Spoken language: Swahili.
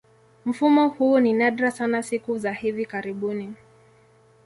Mfumo huu ni nadra sana siku za hivi karibuni.